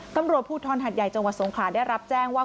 ตำรวจภูทรหัดใหญ่จังหวัดสงขลาได้รับแจ้งว่า